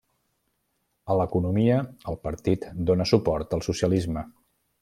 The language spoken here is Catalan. A l'economia, el partit dóna suport al socialisme.